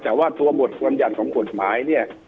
แต่ว่าตัวบทส่วนใหญ่ของกฎหมาย